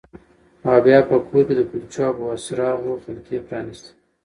او بیا په کور کې د کلچو او بوسراغو خلطې پرانیستې